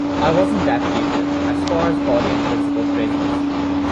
I wasn't that gifted, as far as body and physical presence.